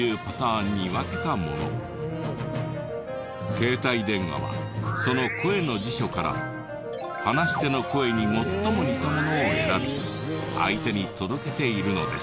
携帯電話はその「声の辞書」から話し手の声に最も似たものを選び相手に届けているのです。